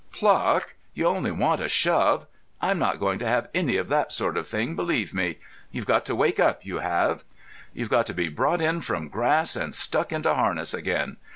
Pluck! You only want a shove. I'm not going to have any of that sort of thing, believe me. You've got to wake up, you have. You've got to be brought in from grass and stuck into harness again.